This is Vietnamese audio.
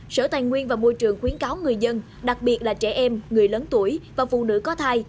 sở tài nguyên và môi trường khuyến cáo người dân đặc biệt là trẻ em người lớn tuổi và phụ nữ có thai